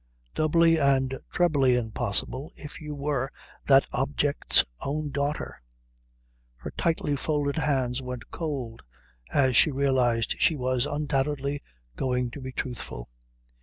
Doubly and trebly impossible if you were that object's own daughter. Her tightly folded hands went cold as she realised she was undoubtedly going to be truthful.